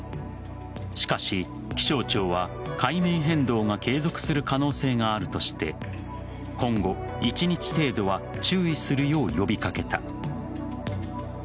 しかし、気象庁は海面変動が継続する可能性があるとして今後、１日程度は注意するよう呼び掛けた。